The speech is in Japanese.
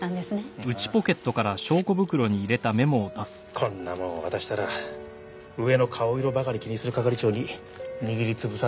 こんなもんを渡したら上の顔色ばかり気にする係長に握り潰されるだけだからな。